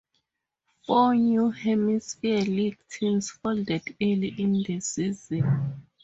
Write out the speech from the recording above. Four New Hampshire League teams folded early in the season.